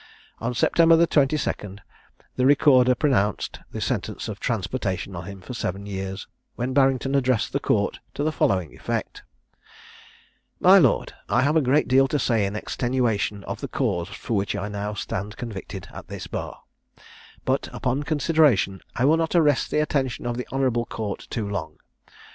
On September 22d the Recorder pronounced the sentence of transportation on him for seven years, when Barrington addressed the Court to the following effect: "My Lord, I have a great deal to say in extenuation of the cause for which I now stand convicted at this bar; but, upon consideration, I will not arrest the attention of the honourable Court too long.